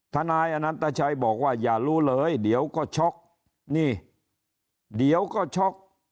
นายอนันตชัยบอกว่าอย่ารู้เลยเดี๋ยวก็ช็อกนี่เดี๋ยวก็ช็อก